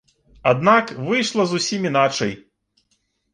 Аднак выйшла зусім іначай.